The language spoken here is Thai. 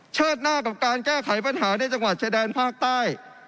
หน้ากับการแก้ไขปัญหาในจังหวัดชายแดนภาคใต้